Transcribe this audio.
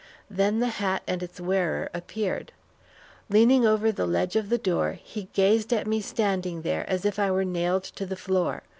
Then the hat and its wearer appeared. Leaning over the edge of the door, he gazed at me standing there as if I were nailed to the floor.